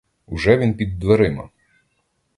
Уже він під дверима!